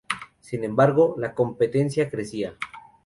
Sin embargo, la competencia crecía.